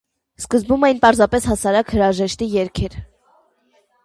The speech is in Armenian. Սկզբում այն պարզապես հասարակ հրաժեշտի երգ էր։